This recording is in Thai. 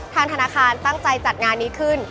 ทางธนาคารตั้งใจจัดงานนี้ขึ้น